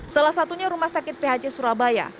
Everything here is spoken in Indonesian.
salah satunya rumah sakit phc surabaya